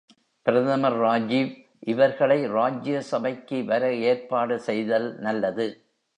பிரதமர் ராஜிவ் இவர்களை ராஜ்ய சபைக்கு வர ஏற்பாடு செய்தல் நல்லது.